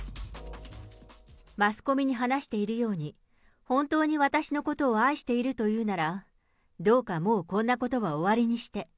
マスコミに話しているように、本当に私のことを愛しているというなら、どうか、もうこんなことは終わりにして。